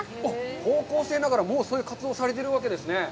高校生ながらそういう活動をされているわけですね。